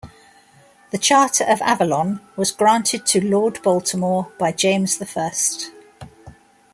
The Charter of Avalon was granted to Lord Baltimore by James the First.